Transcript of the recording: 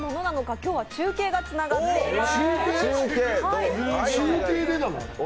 今日は中継がつながっています。